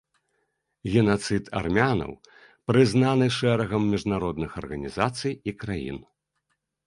Генацыд армянаў прызнаны шэрагам міжнародных арганізацый і краін.